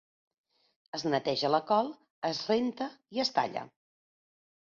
Es neteja la col, es renta i es talla.